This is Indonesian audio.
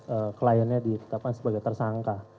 eh kliennya ditetapkan sebagai tersangka